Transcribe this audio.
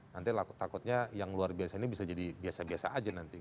nanti takutnya yang luar biasa ini bisa jadi biasa biasa aja nanti